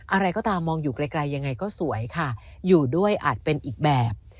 อะไรก็ตามมองอยู่ไกลยังไงก็สวยค่ะอยู่ด้วยอาจเป็นอีกแบบ